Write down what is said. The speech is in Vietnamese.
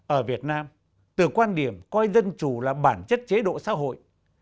ở việt nam từ quan điểm coi dân chủ là bản chất chế độ xã hội